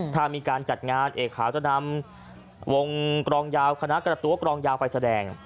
ถ้ามีการจัดงานเอกขาวจะนำวงกรองยาวคณะกระตั้วกรองยาวไปแสดง